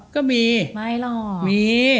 ก็มี